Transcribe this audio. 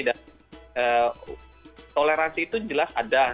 dan toleransi itu jelas ada